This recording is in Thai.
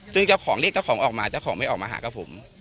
ซึ่งเจ้าของเรียกเจ้าของออกมาเจ้าของไม่ออกมาหากับผม